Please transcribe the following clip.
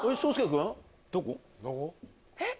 えっ！